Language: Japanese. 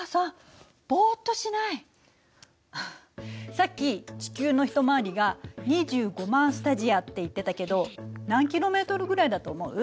さっき地球の一回りが２５０，０００スタジアって言ってたけど何キロメートルぐらいだと思う？